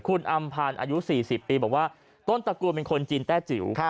คุณอำพันธ์อายุ๔๐ปีบอกว่าต้นตระกูลเป็นคนจีนแต้จิ๋ว